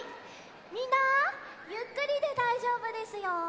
みんなゆっくりでだいじょうぶですよ。